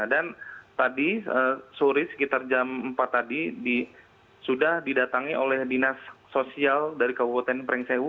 dan tadi sore sekitar jam empat tadi sudah didatangi oleh dinas sosial dari kabupaten prengseu